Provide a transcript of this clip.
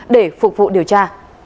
để phục vụ điều tra